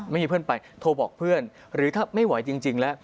ไม่มีเพื่อนไปโทรบอกเพื่อนหรือถ้าไม่ไหวจริงแล้ว